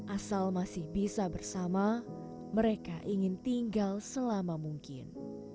asal masih bisa bersama mereka ingin tinggal selama mungkin